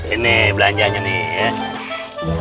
ini belanjanya nih ya